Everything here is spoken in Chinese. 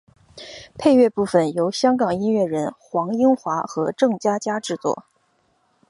配乐部分由香港音乐人黄英华和郑嘉嘉制作。